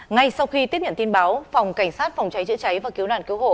ngay sau khi tiếp nhận tin báo phòng cảnh sát phòng cháy chữa cháy và cứu nạn cứu hộ